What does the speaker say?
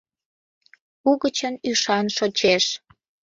Угычын ӱшан шочеш